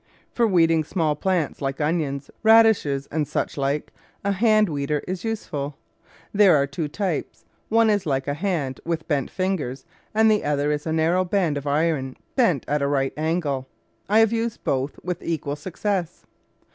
For weeding small plants like onions, radishes, and such like, a hand weeder is useful. There are two types : one is like a hand with bent fingers and the other is a narrow band of iron bent at a right angle. I have used both with equal success.